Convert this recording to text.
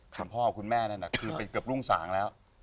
คุณพ่อคุณแม่นั่นน่ะคือเป็นเกือบรุ่งสางแล้ว